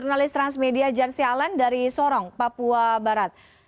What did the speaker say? jurnalis transmedia jersi allen dari sorong papua bapak dan bapak